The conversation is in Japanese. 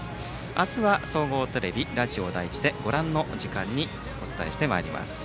明日は総合テレビ、ラジオ第１でご覧の時間にお伝えしてまいります。